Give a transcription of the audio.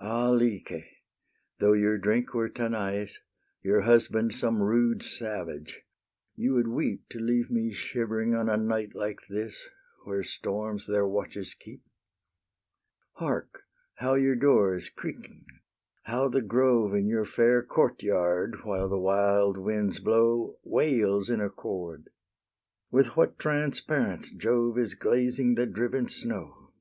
Ah Lyce! though your drink were Tanais, Your husband some rude savage, you would weep To leave me shivering, on a night like this, Where storms their watches keep. Hark! how your door is creaking! how the grove In your fair court yard, while the wild winds blow, Wails in accord! with what transparence Jove Is glazing the driven snow!